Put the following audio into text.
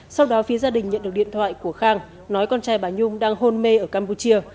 sau đó phía gia đình nhận được điện thoại của khang nói con trai bà nhung đang hôn mê ở campuchia